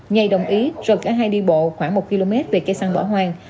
nhày đồng ý rời cả hai đi bộ khoảng một km về cây săn bỏ hoang